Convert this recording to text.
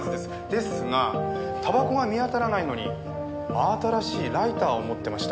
ですがタバコが見当たらないのに真新しいライターを持ってました。